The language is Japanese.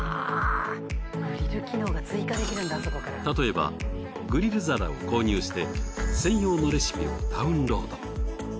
例えばグリル皿を購入して専用のレシピをダウンロード。